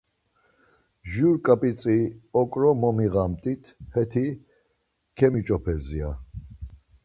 Jur ǩap̌itzi okro mogiğamt̆it heti kemiç̌opes ya.